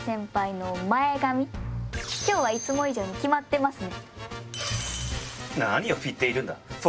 今日はいつも以上にキマってますね。